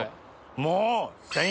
もう。